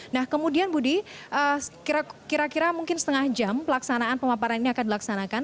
nah kemudian budi kira kira mungkin setengah jam pelaksanaan pemaparan ini akan dilaksanakan